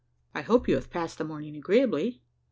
I hope you have passed the morning agreeably.